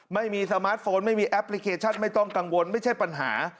ไม่มีสมาร์ทโฟนไม่มีแอปพลิเคชันไม่ต้องกังวลไม่ใช่ปัญหา